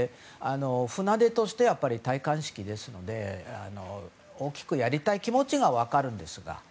船出としては戴冠式ですので大きくやりたい気持ちが分かるんですが。